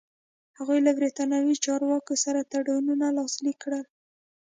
هغوی له برېټانوي چارواکو سره تړونونه لاسلیک کړل.